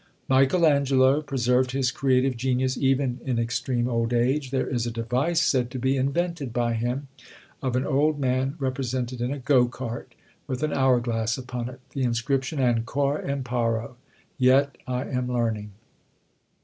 Michael Angelo preserved his creative genius even in extreme old age: there is a device said to be invented by him, of an old man represented in a go cart, with an hour glass upon it; the inscription Ancora imparo! YET I AM LEARNING!